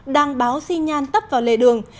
đang báo xi nhan tấp vào lề đường